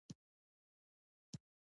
نباتات د فوټوسنټیز عملیې پر مټ انرژي تولیدوي